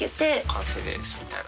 完成ですみたいな。